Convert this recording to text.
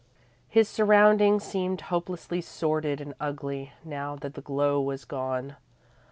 His surroundings seemed hopelessly sordid and ugly, now that the glow was gone.